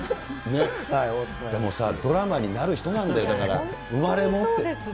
でもさあ、ドラマになる人なんだよ、だから、生まれもって。